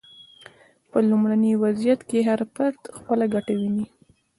په لومړني وضعیت کې هر فرد خپله ګټه ویني.